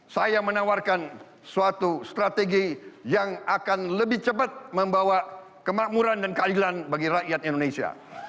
saya menawarkan suatu strategi yang akan lebih cepat membawa kemakmuran dan keadilan bagi rakyat indonesia